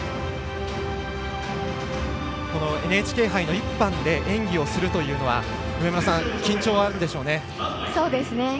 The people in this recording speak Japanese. ＮＨＫ杯の１班で演技をするというのは緊張はあるんでしょうね。